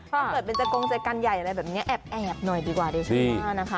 ถ้าเกิดเป็นแจกงใจกันใหญ่แบบนี้แอบหน่อยดีกว่าดีชาวนี้นะคะ